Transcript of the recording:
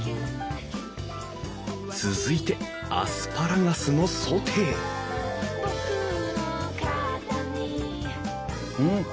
続いてアスパラガスのソテーうん！